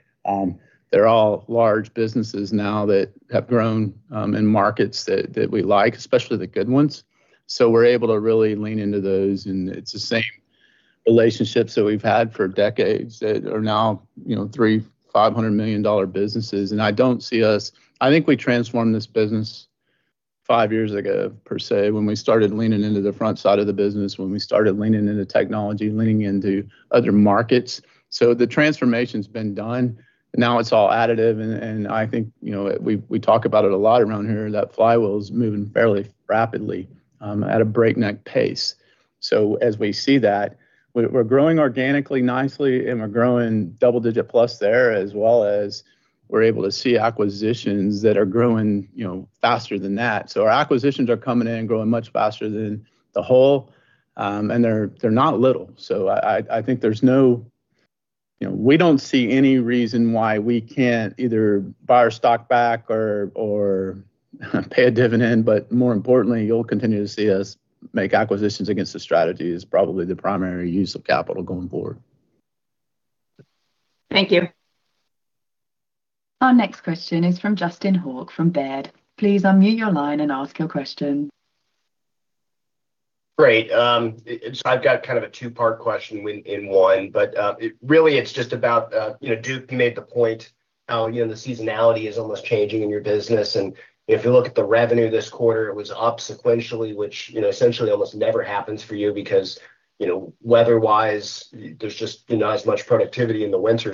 They're all large businesses now that have grown in markets that we like, especially the good ones. We're able to really lean into those, and it's the same relationships that we've had for decades that are now, you know, 3 $500 million businesses. I don't see us. I think we transformed this business 5 years ago per se when we started leaning into the front side of the business, when we started leaning into technology, leaning into other markets. The transformation's been done. Now it's all additive, and I think, you know, we talk about it a lot around here, that flywheel's moving fairly rapidly, at a breakneck pace. As we see that, we're growing organically nicely, and we're growing double-digit plus there, as well as we're able to see acquisitions that are growing, you know, faster than that. Our acquisitions are coming in and growing much faster than the whole, and they're not little. I think there's, you know, we don't see any reason why we can't either buy our stock back or pay a dividend, but more importantly, you'll continue to see us make acquisitions against the strategy is probably the primary use of capital going forward. Thank you. Our next question is from Justin Hauke from Baird. Please unmute your line and ask your question. Great. I've got kind of a two-part question in one. Really, it's just about, you know, Duke made the point how, you know, the seasonality is almost changing in your business. If you look at the revenue this quarter, it was up sequentially, which, you know, essentially almost never happens for you because, you know, weather-wise, there's just, you know, not as much productivity in the winter.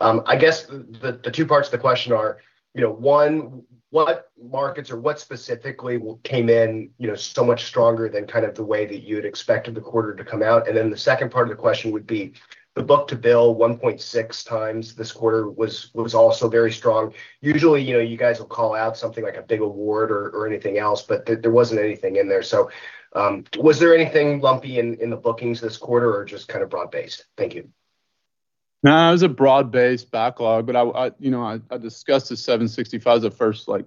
I guess the two parts to the question are, you know, one, what markets or what specifically came in, you know, so much stronger than kind of the way that you had expected the quarter to come out? The second part of the question would be, the book to bill 1.6x this quarter was also very strong. Usually, you know, you guys will call out something like a big award or anything else, but there wasn't anything in there. Was there anything lumpy in the bookings this quarter, or just kind of broad-based? Thank you. No, it was a broad-based backlog. I, you know, I discussed the 765. The first, like,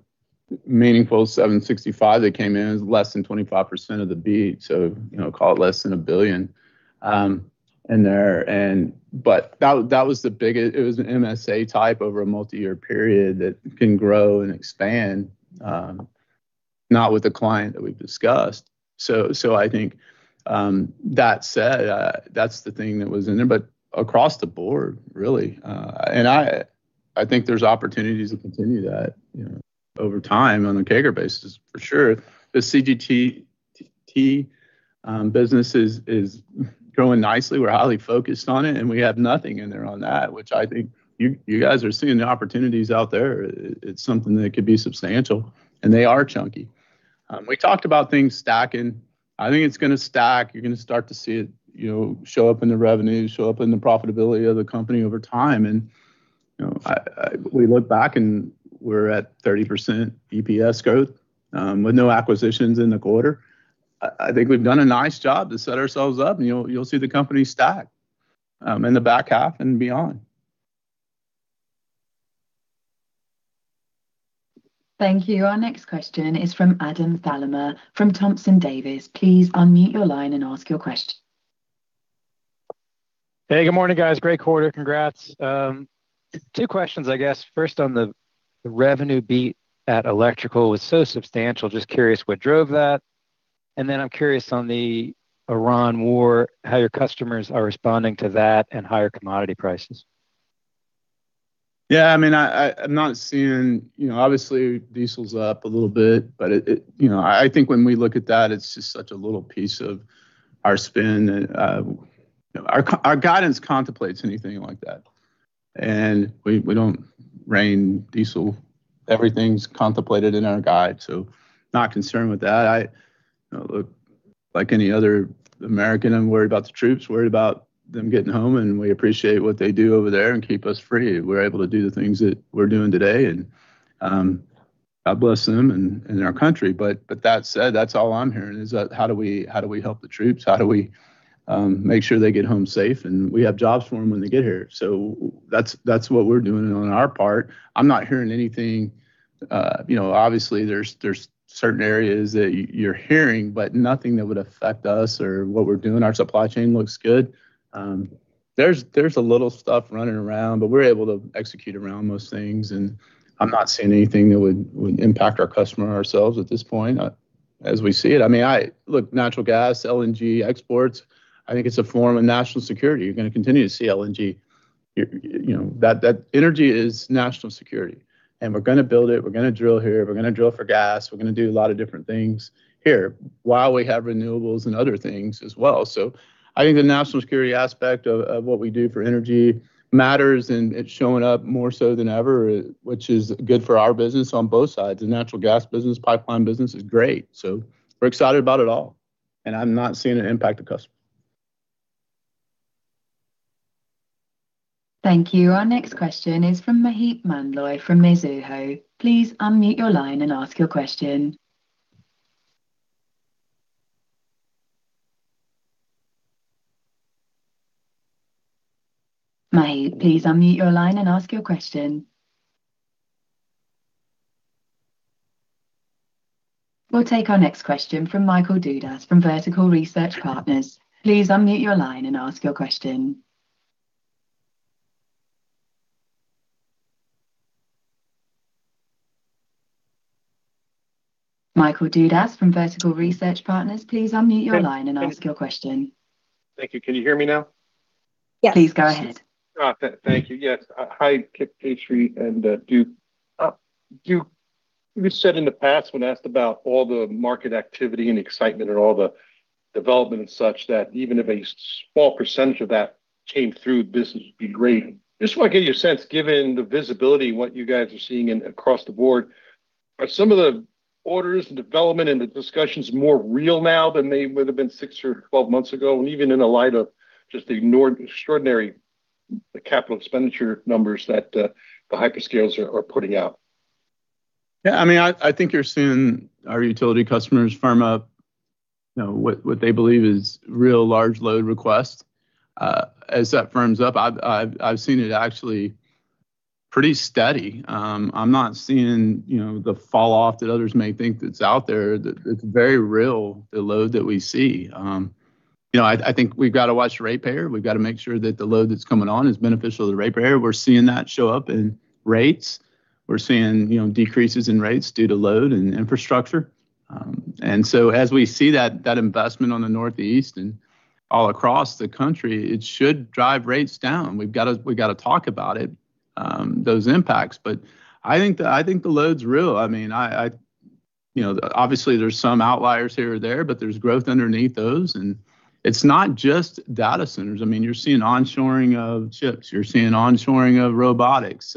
meaningful 765 that came in. It was less than 25% of the B, so, you know, call it less than $1 billion in there. It was an MSA type over a multi-year period that can grow and expand, not with the client that we've discussed. I think, that said, that's the thing that was in there, across the board really. I think there's opportunities to continue that, you know, over time on a CAGR basis for sure. The CGTs business is growing nicely. We're highly focused on it, we have nothing in there on that, which I think you guys are seeing the opportunities out there. It's something that could be substantial, and they are chunky. We talked about things stacking. I think it's gonna stack. You're gonna start to see it, you know, show up in the revenue, show up in the profitability of the company over time. You know, we look back and we're at 30% EPS growth with no acquisitions in the quarter. I think we've done a nice job to set ourselves up and you'll see the company stack in the back half and beyond. Thank you. Our next question is from Adam Thalhimer from Thompson Davis. Please unmute your line and ask your question. Hey, good morning, guys. Great quarter. Congrats. two questions, I guess. First, on the revenue beat at Electrical was so substantial, just curious what drove that. I'm curious on the Iran war, how your customers are responding to that and higher commodity prices. Yeah, I mean, I'm not seeing. You know, obviously diesel's up a little bit, but it, you know, I think when we look at that, it's just such a little piece of our spend. Our guidance contemplates anything like that, and we don't reign diesel. Everything's contemplated in our guide, so not concerned with that. You know, look, like any other American, I'm worried about the troops, worried about them getting home, and we appreciate what they do over there and keep us free. We're able to do the things that we're doing today and God bless them and our country. That said, that's all I'm hearing is how do we help the troops? How do we make sure they get home safe and we have jobs for them when they get here? That's what we're doing on our part. I'm not hearing anything. You know, obviously there's certain areas that you're hearing, but nothing that would affect us or what we're doing. Our supply chain looks good. There's a little stuff running around, but we're able to execute around most things and I'm not seeing anything that would impact our customer or ourselves at this point, as we see it. I mean, I look, natural gas, LNG exports, I think it's a form of national security. You're gonna continue to see LNG. You're, you know, that energy is national security, we're gonna build it. We're gonna drill here. We're gonna drill for gas. We're gonna do a lot of different things here while we have renewables and other things as well. I think the national security aspect of what we do for energy matters, and it's showing up more so than ever, which is good for our business on both sides. The natural gas business, pipeline business is great, so we're excited about it all, and I'm not seeing it impact the customer. Thank you. Our next question is from Maheep Mandloi from Mizuho. Please unmute your line and ask your question. Maheep, please unmute your line and ask your question. We'll take our next question from Michael Dudas from Vertical Research Partners. Please unmute your line and ask your question. Michael Dudas from Vertical Research Partners, please unmute your line and ask your question. Thank you. Can you hear me now? Yes. Please go ahead. Oh, thank you. Yes. Hi, Kip, Patry and Duke. Duke, you said in the past when asked about all the market activity and excitement and all the development and such that even if a small percentage of that came through, the business would be great. Just wanna get your sense, given the visibility and what you guys are seeing in, across the board, are some of the orders, the development and the discussions more real now than they would've been six or 12 months ago? Even in the light of just the extraordinary, the capital expenditure numbers that the hyperscales are putting out. I mean, I think you're seeing our utility customers firm up, you know, what they believe is real large load request. As that firms up, I've seen it actually pretty steady. I'm not seeing, you know, the fall off that others may think that's out there, that it's very real, the load that we see. You know, I think we've got to watch the ratepayer. We've got to make sure that the load that's coming on is beneficial to the ratepayer. We're seeing that show up in rates. We're seeing, you know, decreases in rates due to load and infrastructure. As we see that investment on the Northeast and all across the country, it should drive rates down. We've got to talk about it, those impacts. I think the, I think the load's real. I mean, I, you know, obviously there's some outliers here or there, but there's growth underneath those, and it's not just data centers. I mean, you're seeing onshoring of chips. You're seeing onshoring of robotics.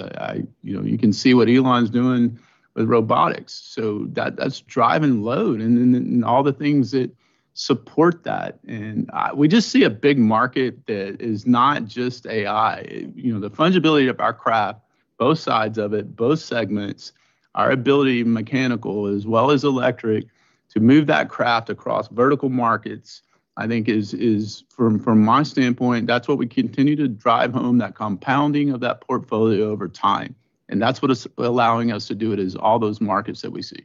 You know, you can see what Elon's doing with robotics, so that's driving load and all the things that support that. We just see a big market that is not just AI. You know, the fungibility of our craft, both sides of it, both segments, our ability, mechanical as well as electric, to move that craft across vertical markets, I think is, from my standpoint, that's what we continue to drive home, that compounding of that portfolio over time, and that's what is allowing us to do it, is all those markets that we see.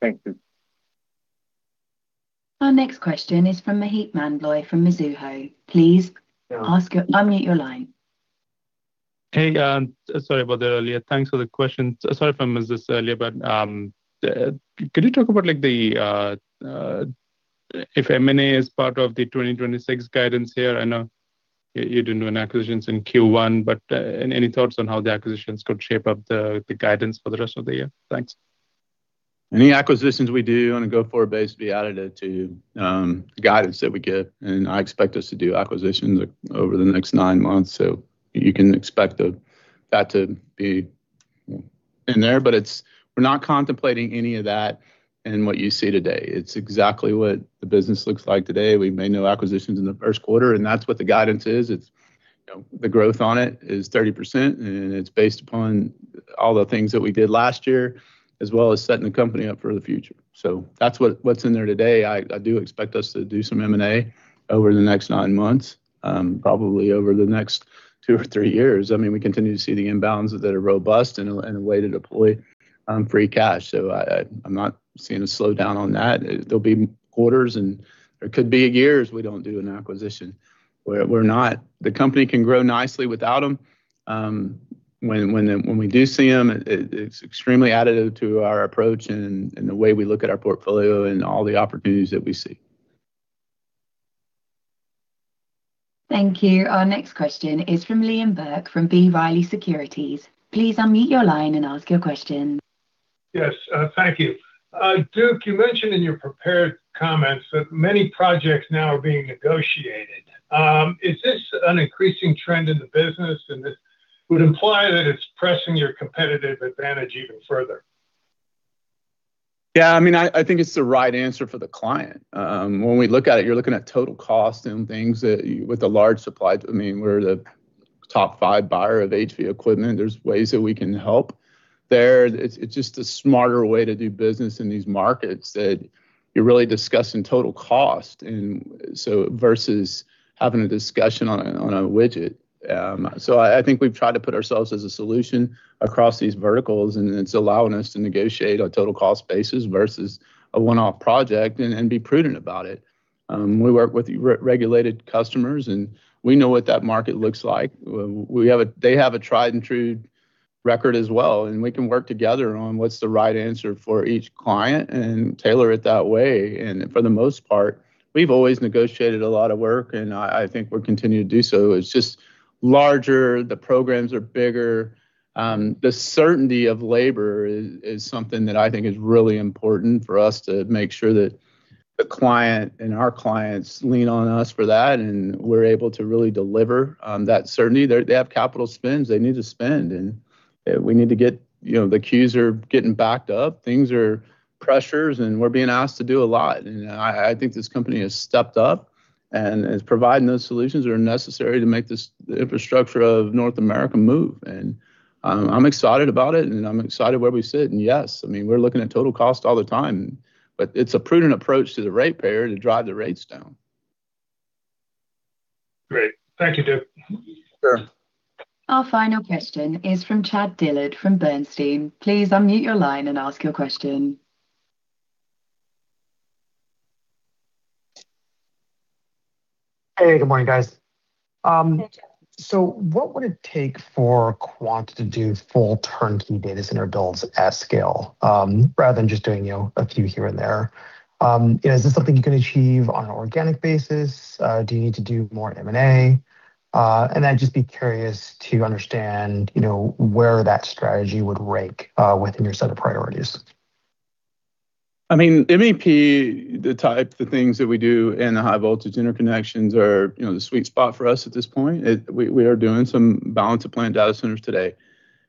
Thank you. Our next question is from Maheep Mandloi from Mizuho. Unmute your line. Hey, sorry about that earlier. Thanks for the question. Sorry if I missed this earlier, could you talk about, like, the if M&A is part of the 2026 guidance here? I know you're doing acquisitions in Q1, any thoughts on how the acquisitions could shape up the guidance for the rest of the year? Thanks. Any acquisitions we do on a go-forward base will be added to guidance that we give, and I expect us to do acquisitions over the next nine months. You can expect that to be in there. We're not contemplating any of that in what you see today. It's exactly what the business looks like today. We made no acquisitions in the first quarter, and that's what the guidance is. It's, you know, the growth on it is 30%, and it's based upon all the things that we did last year as well as setting the company up for the future. That's what's in there today. I do expect us to do some M&A over the next nine months, probably over the next two or three years. I mean, we continue to see the inbounds that are robust and a way to deploy free cash. I'm not seeing a slowdown on that. There'll be quarters and there could be years we don't do an acquisition. We're not. The company can grow nicely without them. When we do see them, it's extremely additive to our approach and the way we look at our portfolio and all the opportunities that we see. Thank you. Our next question is from Liam Burke from B. Riley Securities. Please unmute your line and ask your question. Yes, thank you. Duke, you mentioned in your prepared comments that many projects now are being negotiated. Is this an increasing trend in the business? This would imply that it's pressing your competitive advantage even further. Yeah, I mean, I think it's the right answer for the client. When we look at it, you're looking at total cost and things that, with the large supply I mean, we're the top five buyer of HV equipment. There's ways that we can help there. It's just a smarter way to do business in these markets, that you're really discussing total cost and so, versus having a discussion on a widget. I think we've tried to put ourselves as a solution across these verticals, and it's allowing us to negotiate on total cost basis versus a one-off project and be prudent about it. We work with re-regulated customers, and we know what that market looks like. They have a tried and true record as well. We can work together on what's the right answer for each client and tailor it that way. For the most part, we've always negotiated a lot of work, and I think we'll continue to do so. It's just larger, the programs are bigger. The certainty of labor is something that I think is really important for us to make sure that the client and our clients lean on us for that, and we're able to really deliver that certainty. They have capital spends they need to spend. You know, the queues are getting backed up. Things are pressures, we're being asked to do a lot. I think this company has stepped up and is providing those solutions that are necessary to make this, the infrastructure of North America move. I'm excited about it, and I'm excited where we sit. Yes, I mean, we're looking at total cost all the time, but it's a prudent approach to the ratepayer to drive the rates down. Great. Thank you, Duke. Sure. Our final question is from Chad Dillard from Bernstein. Please unmute your line and ask your question. Hey, good morning, guys. Hey, Chad. What would it take for Quanta to do full turnkey data center builds at scale, rather than just doing, you know, a few here and there? Is this something you can achieve on an organic basis? Do you need to do more M&A? Just be curious to understand, you know, where that strategy would rank within your set of priorities. I mean, MEP, the type, the things that we do in the high voltage interconnections are, you know, the sweet spot for us at this point. We are doing some balance of plant data centers today.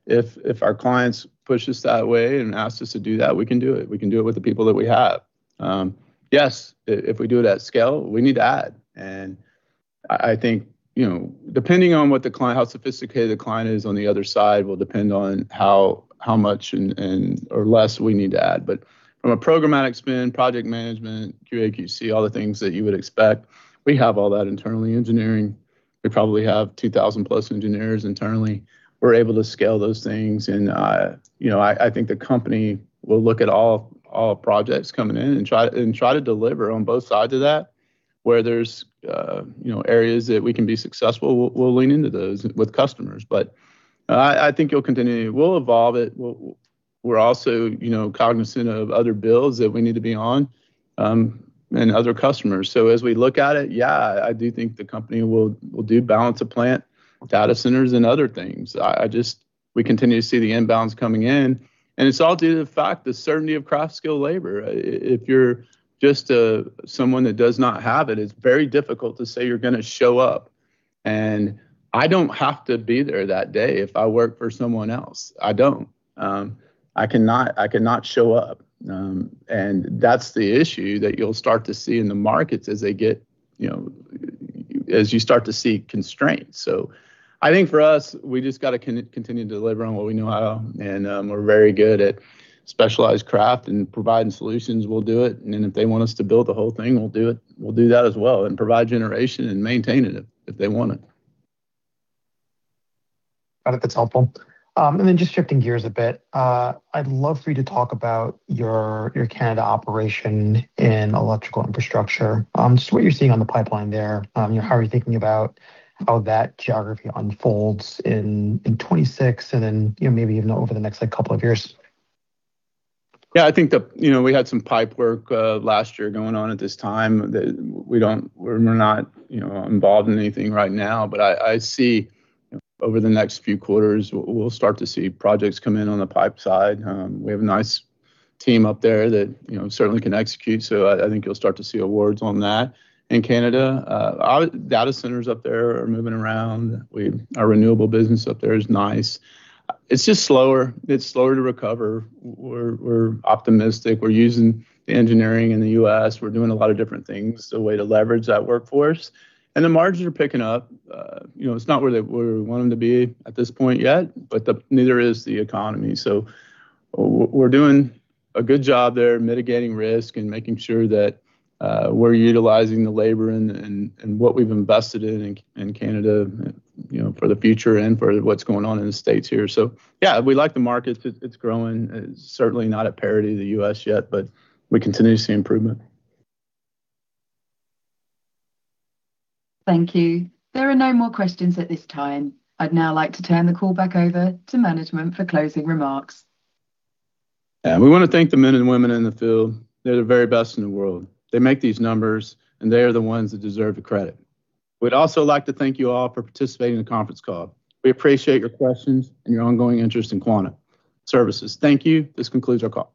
If our clients push us that way and ask us to do that, we can do it. We can do it with the people that we have. Yes, if we do it at scale, we need to add. I think, you know, depending on what the client, how sophisticated the client is on the other side will depend on how much and or less we need to add. From a programmatic spend, project management, QA, QC, all the things that you would expect, we have all that internally engineering. We probably have 2,000 plus engineers internally. We're able to scale those things and, you know, I think the company will look at all projects coming in and try to deliver on both sides of that. Where there's, you know, areas that we can be successful, we'll lean into those with customers. I think you'll continue. We'll evolve it. We're also, you know, cognizant of other builds that we need to be on and other customers. As we look at it, yeah, I do think the company will do balance of plant data centers and other things. We continue to see the inbounds coming in, and it's all due to the fact the certainty of craft skill labor. If you're just someone that does not have it's very difficult to say you're gonna show up. I don't have to be there that day if I work for someone else. I don't. I cannot show up. That's the issue that you'll start to see in the markets as they get, you know, as you start to see constraints. I think for us, we just gotta continue to deliver on what we know how, and we're very good at specialized craft and providing solutions. We'll do it, then if they want us to build the whole thing, we'll do it. We'll do that as well and provide generation and maintain it if they want it. Got it. That's helpful. Just shifting gears a bit, I'd love for you to talk about your Canada operation in electrical infrastructure. Just what you're seeing on the pipeline there, you know, how are you thinking about how that geography unfolds in 2026 and then, you know, maybe even over the next, like, couple of years? Yeah. I think the you know, we had some pipe work last year going on at this time that we're not, you know, involved in anything right now. I see over the next few quarters, we'll start to see projects come in on the pipe side. We have a nice team up there that, you know, certainly can execute, so I think you'll start to see awards on that in Canada. Our data centers up there are moving around. Our renewable business up there is nice. It's just slower. It's slower to recover. We're, we're optimistic. We're using the engineering in the U.S. We're doing a lot of different things, a way to leverage that workforce. The margins are picking up. You know, it's not where we want them to be at this point yet, but neither is the economy. We're doing a good job there mitigating risk and making sure that we're utilizing the labor and what we've invested in Canada, you know, for the future and for what's going on in the States here. Yeah, we like the market. It's growing. It's certainly not at parity to the U.S. yet, but we continue to see improvement. Thank you. There are no more questions at this time. I'd now like to turn the call back over to management for closing remarks. Yeah. We wanna thank the men and women in the field. They're the very best in the world. They make these numbers, and they are the ones that deserve the credit. We'd also like to thank you all for participating in the conference call. We appreciate your questions and your ongoing interest in Quanta Services. Thank you. This concludes our call.